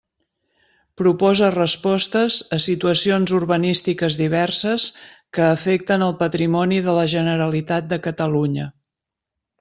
Proposa respostes a situacions urbanístiques diverses que afecten el patrimoni de la Generalitat de Catalunya.